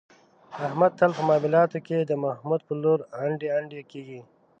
احمد تل په معاملو کې، د محمود په لور انډي انډي کېږي.